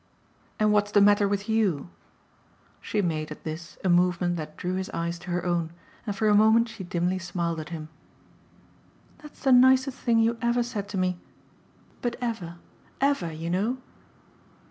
"And what's the matter with 'you'?" She made, at this, a movement that drew his eyes to her own, and for a moment she dimly smiled at him. "That's the nicest thing you ever said to me. But ever, EVER, you know."